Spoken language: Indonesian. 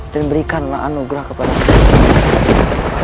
dan berikanlah anugerah kepada allah